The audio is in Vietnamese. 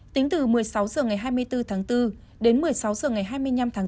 tính từ một mươi sáu h ngày hai mươi bốn tháng bốn đến một mươi sáu h ngày hai mươi năm tháng bốn